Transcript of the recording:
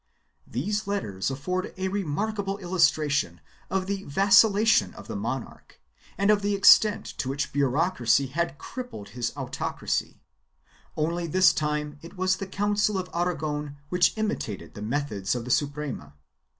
These letters afford a remarkable illustration of the vacil lation of the monarch and of the extent to which bureaucracy had crippled his autocracy — only this time it was the Council of Aragon which imitated the methods of the Suprema.